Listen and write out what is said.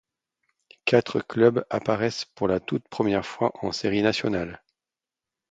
Quatre clubs apparaissent pour la toute première fois en séries nationales.